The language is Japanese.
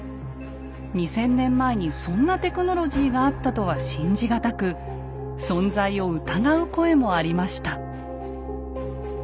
２，０００年前にそんなテクノロジーがあったとは信じ難く存在を疑う声もありました。